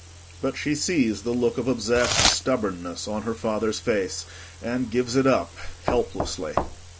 [But she sees the look of obsessed stubbornness on her father's face and gives it up helplessly.